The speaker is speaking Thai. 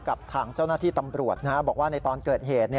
กับทางเจ้าหน้าที่ตำรวจบอกว่าในตอนเกิดเหตุ